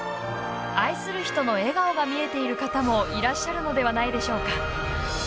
愛する人の笑顔が見えている方もいらっしゃるのではないでしょうか？